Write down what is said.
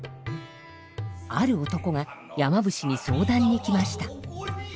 ある男が山伏に相談に来ました。